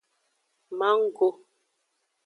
Mango.